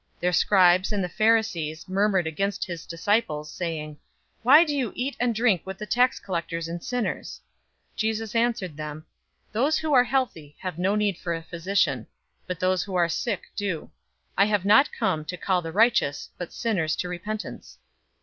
005:030 Their scribes and the Pharisees murmured against his disciples, saying, "Why do you eat and drink with the tax collectors and sinners?" 005:031 Jesus answered them, "Those who are healthy have no need for a physician, but those who are sick do. 005:032 I have not come to call the righteous, but sinners to repentance."